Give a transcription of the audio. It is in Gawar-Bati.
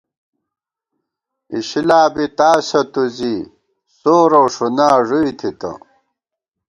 اِشِلا بی تاسہ تُو زی ، سور اؤ ݭُنا ݫُوئی تھِتہ